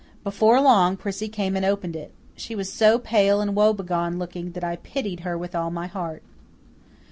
Before long Prissy came and opened it. She was so pale and woe begone looking that I pitied her with all my heart.